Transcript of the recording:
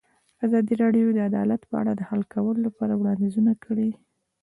ازادي راډیو د عدالت په اړه د حل کولو لپاره وړاندیزونه کړي.